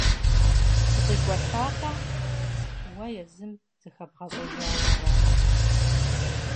Укъикӏуэтакъэ – уэ езым зыхэбгъэщӏэжауэ аращ.